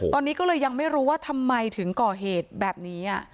ตอนนี้ก็เลยยังไม่รู้ว่าทำไมถึงก่อเหตุแบบนี้